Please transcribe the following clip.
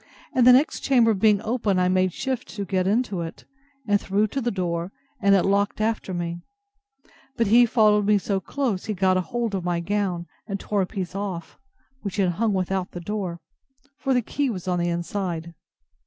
and the next chamber being open, I made shift to get into it, and threw to the door, and it locked after me; but he followed me so close, he got hold of my gown, and tore a piece off, which hung without the door; for the key was on the inside.